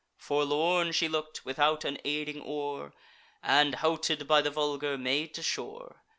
Forlorn she look'd, without an aiding oar, And, houted by the vulgar, made to shore.